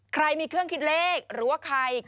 ใครมีเครื่องคิดเลขหรือว่าใคร